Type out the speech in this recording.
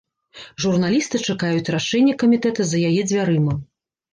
Журналісты чакаюць рашэння камітэта за яе дзвярыма.